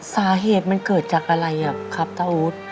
สาเหตุมันเกิดจากอะไรครับตาอู๊ด